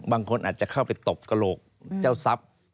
บางคนอาจจะเข้าไปตบกระโหลกเจ้าทรัพย์